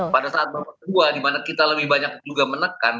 pada saat babak kedua dimana kita lebih banyak juga menekan